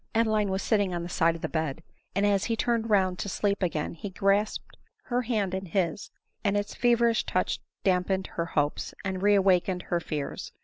Adeline was sitting on the side of the bed ; and as he turned round to sleep again he grasped her hand in his, and its feverish touch damped her hopes, and reawakened her fears.